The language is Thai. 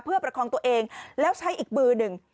เพื่อประคองตัวเองแล้วใช้อีกมือหนึ่ง